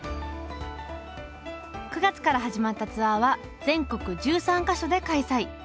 ９月から始まったツアーは全国１３か所で開催。